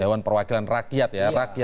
dewan perwakilan rakyat ya